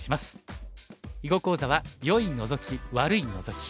囲碁講座は「良いノゾキ悪いノゾキ」。